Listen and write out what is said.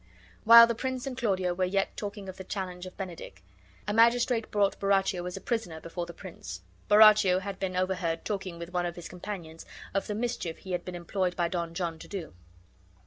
While the prince and Claudio were yet talking of the challenge of Benedick a magistrate brought Borachio as a prisoner before the prince. Borachio had been overheard talking with one of his companions of the mischief he had been employed by Don John to do.